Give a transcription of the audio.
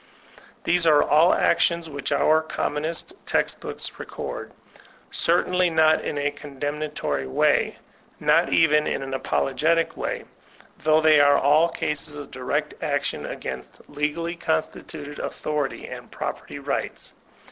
These are an actions which our commonest text books record, cer tainly not in a condemnatory way, not even in an apolo getic one, thoiigfa they are all cases of direct action against legally constituted authority and property rights.